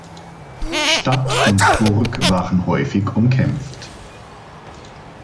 Stadt und Burg waren häufig umkämpft.